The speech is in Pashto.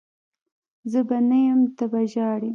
زه به نه یم ته به ژاړي